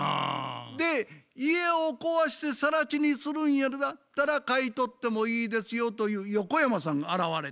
で家を壊してさら地にするんやったら買い取ってもいいですよという横山さんが現れたんや。